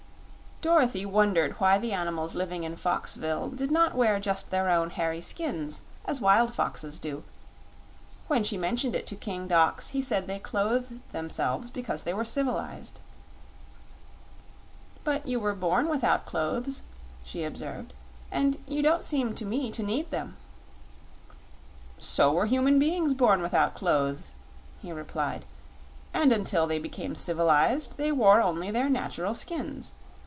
Dorothy wondered why the animals living in Foxville did not wear just their own hairy skins as wild foxes do; when she mentioned it to King Dox he said they clothed themselves because they were civilized. "But you were born without clothes," she observed, "and you don't seem to me to need them." "So were human beings born without clothes," he replied; "and until they became civilized they wore only their natural skins.